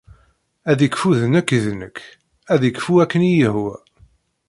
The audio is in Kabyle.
Ad ikfu d nekk i d nekk, ad ikfu akken i iyi-ihwa.